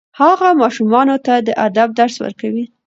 هغه ماشومانو ته د ادب درس ورکوي.